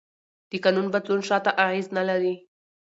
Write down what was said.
د قانون بدلون شاته اغېز نه لري.